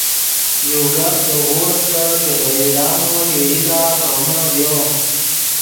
یو گپ دے غو استت کہ دے یو لامو یو ایدا ڤرومے ڤیو